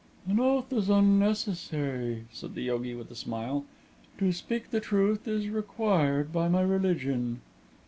"An oath is unnecessary," said the yogi with a smile. "To speak the truth is required by my religion."